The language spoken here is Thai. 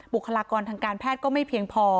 บุคลากรทางการแพทย์ก็ไม่เพียงพอ